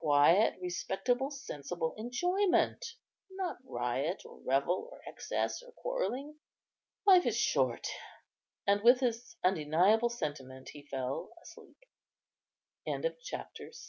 Quiet, respectable, sensible enjoyment; not riot, or revel, or excess, or quarrelling. Life is short." And with this undeniable sentiment he fell asleep. CHAP